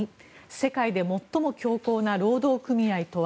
世界で最も強硬な労働組合とは。